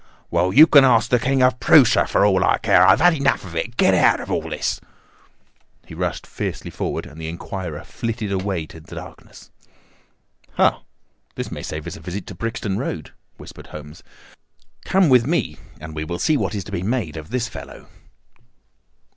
"Well, you can ask the King of Proosia, for all I care. I've had enough of it. Get out of this!" He rushed fiercely forward, and the inquirer flitted away into the darkness. "Ha! this may save us a visit to Brixton Road," whispered Holmes. "Come with me, and we will see what is to be made of this fellow."